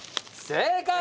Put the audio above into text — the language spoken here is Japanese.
正解！